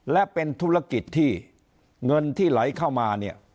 และเป็นธุรกิจที่เงินที่ไหลเข้ามาเนี่ย